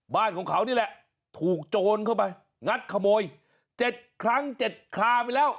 บ้านของเขานี่แหละถูกโจรเข้าไปงัดขโมย๗ครั้ง๗คาไปแล้ว